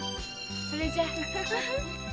それじゃ。